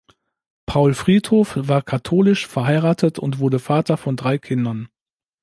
Paul Friedhoff war katholisch, verheiratet und wurde Vater von drei Kindern.